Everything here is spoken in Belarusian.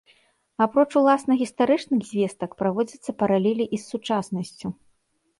Апроч уласна гістарычных звестак, праводзяцца паралелі і з сучаснасцю.